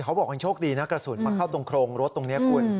เขาบอกยังโชคดีนะกระสุนมาเข้าตรงโครงรถตรงนี้คุณ